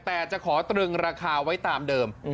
แต่จะขอตรึงราคาไว้ตามเดิม